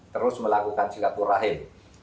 terus melakukan silaturahim